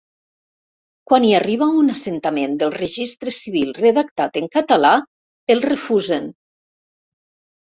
Quan hi arriba un assentament del registre civil redactat en català el refusen.